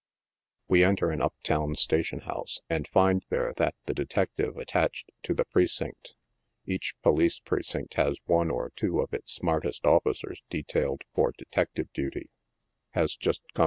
We enter an up town station house, and find there that the detec tive attached to the precinct (each police precinct I123 one or two of its smartest officers detailed for detective duty,) has just come